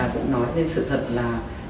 cũng nói đến sự thật là